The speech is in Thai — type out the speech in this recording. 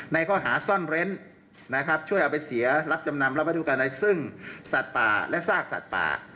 ในข้อหาส้อนเล็นจะไปเสียรับจำนำรับวัตถุการณ์ซึ่งสาธิป่าและซากสักป่า